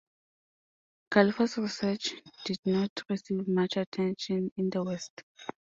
Khalifa's research did not receive much attention in the West.